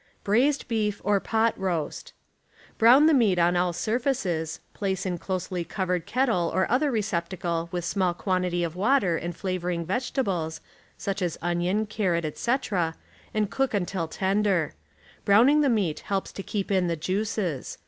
BRAISED BEEF OR POT ROAST— Brown the meat on all surfaces, place in closely covered kettle or other receptacle witli small quantity of water and flavoring vegetables, such as onion, carrot, etc.. and cook until tender. Browning the meat lieljjs to keep in the juices.